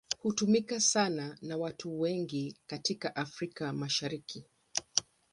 Hutumika sana na watu wengi katika Afrika ya Mashariki.